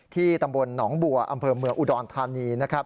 ที่ตำบลหนองบัวอำเภอเมืองอุดนทานี